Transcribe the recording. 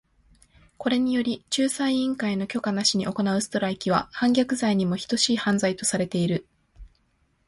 これにより、仲裁委員会の許可なしに行うストライキは反逆罪にも等しい犯罪とされている。